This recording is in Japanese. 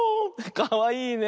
かわいいね。